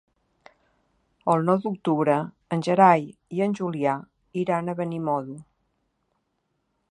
El nou d'octubre en Gerai i en Julià iran a Benimodo.